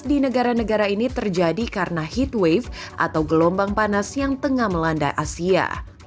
di negara negara ini terjadi karena heatwave atau gelombang panas yang tengah melanda asia